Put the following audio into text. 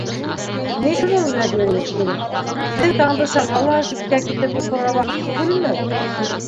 Мин шуны уйлап йөрөйөм, килен: беҙҙең Тандысаға ла ситкә китеп уҡырға ваҡыт түгелме?